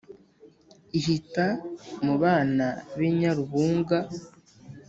ihita mu bana b' inyarubuga